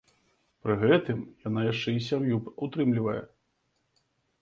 Пры гэтым яна яшчэ і сям'ю ўтрымлівае.